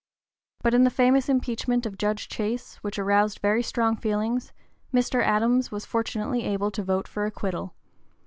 But in the famous impeachment of Judge Chase, which aroused very strong feelings, Mr. Adams was fortunately able to vote for acquittal.